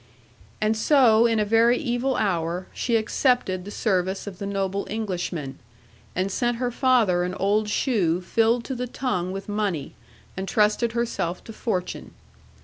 'And so, in a very evil hour, she accepted the service of the noble Englishman, and sent her father an old shoe filled to the tongue with money, and trusted herself to fortune.